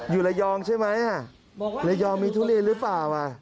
อยู่ระยองใช่ไหมระยองมีทุเรียนหรือเปล่า